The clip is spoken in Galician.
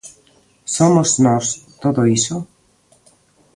Somos nós todo iso.